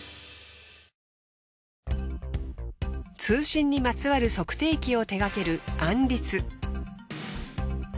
通信にまつわる測定器を手がけるアンリツ。